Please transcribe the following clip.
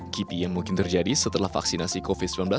kipi yang mungkin terjadi setelah vaksinasi covid sembilan belas